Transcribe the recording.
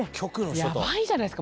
やばいじゃないですか。